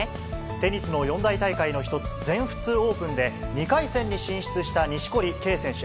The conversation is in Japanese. テニスの四大大会の一つ、全仏オープンで、２回戦に進出した錦織圭選手。